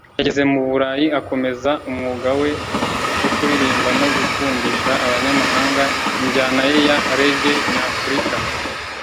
yageze mu Burayi akomeza umwuga we wo kuririmba no gukundisha abanyamahanga injyana ye ya Reggae-nyafurika